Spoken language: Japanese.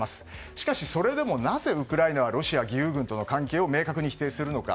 しかし、それでもなぜウクライナはロシア義勇軍との関係を明確に否定するのか。